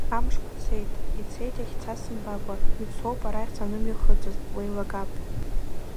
Амшқәа цеит, ицеит иахьцаз сымбакәа, ицоуп арахь санымҩахыҵыз, уеилагап!